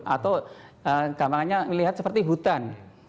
atau gampangnya ngelihat seperti hutan